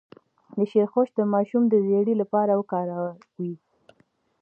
د شیرخشت د ماشوم د ژیړي لپاره وکاروئ